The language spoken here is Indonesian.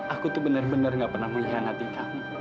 aku tuh benar benar nggak pernah mengkhianati kamu